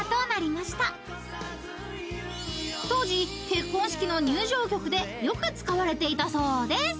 ［当時結婚式の入場曲でよく使われていたそうです］